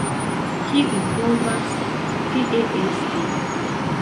kiu povas tie esti?